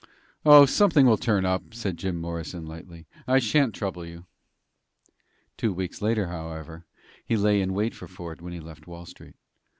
"Oh, something will turn up." said Jim Morrison, lightly. "I shan't trouble you." Two weeks later, however, he lay in wait for Ford when he left Wall Street.